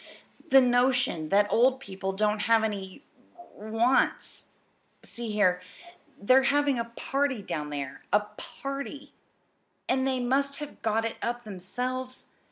"The notion that old people don't have any wants. See here. They're having a party down there a party, and they must have got it up themselves.